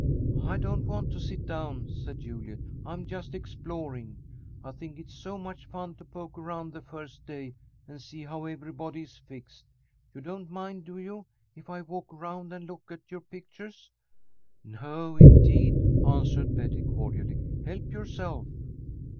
"I don't want to sit down," said Juliet. "I'm just exploring. I think it's so much fun to poke around the first day and see how everybody is fixed. You don't mind, do you, if I walk around and look at your pictures?" "No, indeed!" answered Betty, cordially. "Help yourself."